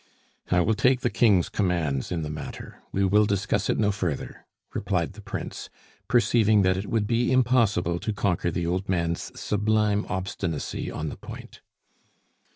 "I will take the King's commands in the matter. We will discuss it no further," replied the Prince, perceiving that it would be impossible to conquer the old man's sublime obstinacy on the point.